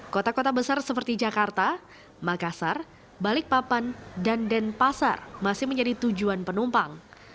kota kota besar seperti jakarta makassar balikpapan dan denpasar masih menjadi tujuan penumpang